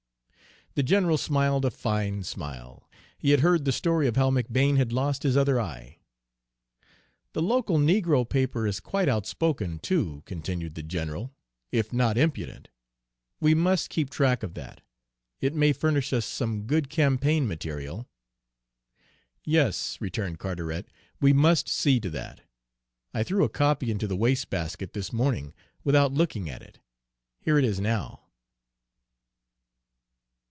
The general smiled a fine smile. He had heard the story of how McBane had lost his other eye. "The local negro paper is quite outspoken, too," continued the general, "if not impudent. We must keep track of that; it may furnish us some good campaign material." "Yes," returned Carteret, "we must see to that. I threw a copy into the waste basket this morning, without looking at it. Here it is now!"